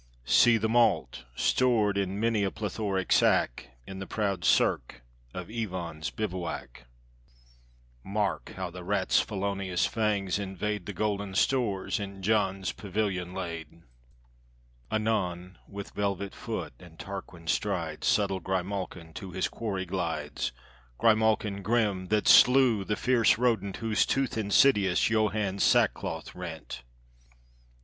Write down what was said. See the malt, stored in many a plethoric sack, In the proud cirque of Ivan's bivouac. Mark how the rat's felonious fangs invadeThe golden stores in John's pavilion laid. Anon, with velvet foot and Tarquin strides, Subtle grimalkin to his quarry glides,—Grimalkin grim, that slew the fierce rodentWhose tooth insidious Johann's sackcloth rent.